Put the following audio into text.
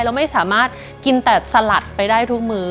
เราไม่สามารถกินแต่สลัดไปได้ทุกมื้อ